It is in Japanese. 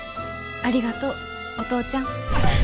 ありがとうお父ちゃん。